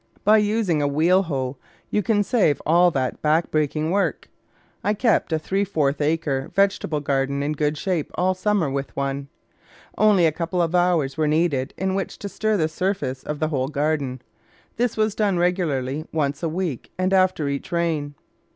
By using a wheel hoe you can save all that backaching work. I kept a three fourths acre vege table garden in good shape all summer with one. Only a couple of hours were needed in which to stir the surface of the whole garden. This was done regularly once a week and after each rain.